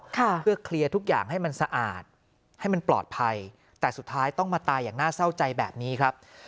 เพื่อเคลียร์ทุกอย่างให้มันสะอาดให้มันปลอดภัยแต่สุดท้ายต้องมาตายอย่างน่าเศร้าใจแบบนี้ครับ